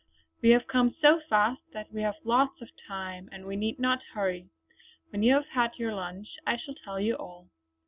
We have come so fast that we have lots of time and we need not hurry. When you have had your lunch I shall tell you all."